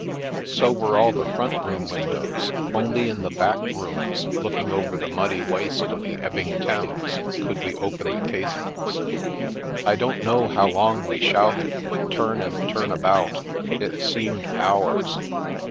So were all the front room windows ; only in the back rooms, looking over the muddy waste of the ebbing Thames, could we open the casements. I don't know how long we shouted, turn and turn about; it seemed hours.